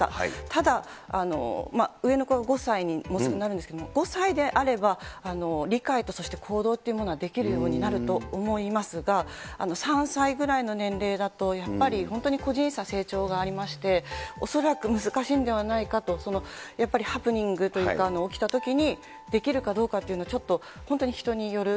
ただ、上の子が５歳にもうすぐなるんですけれども、５歳であれば、理解とそして行動っていうものはできるようになると思いますが、３歳ぐらいの年齢だと、やっぱり本当に個人差、成長がありまして、恐らく難しいんではないかと、やっぱりハプニングというか起きたときに、できるかどうかというのは、ちょっと本当に人による。